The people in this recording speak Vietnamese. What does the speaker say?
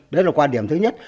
đấy là quan điểm thứ nhất